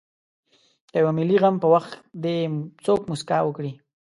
د یوه ملي غم په وخت دې څوک مسکا وکړي.